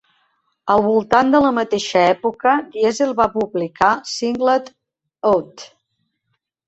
Al voltant de la mateixa època, Diesel va publicar "Singled Out".